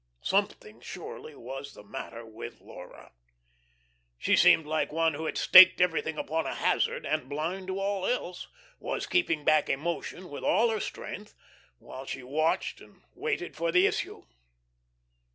Something surely was the matter with Laura. She seemed like one who had staked everything upon a hazard and, blind to all else, was keeping back emotion with all her strength, while she watched and waited for the issue.